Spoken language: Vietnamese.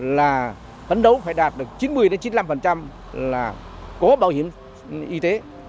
là phấn đấu phải đạt được chín mươi chín mươi năm là có bảo hiểm y tế